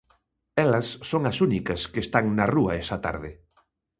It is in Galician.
Elas son as únicas que están na rúa esa tarde.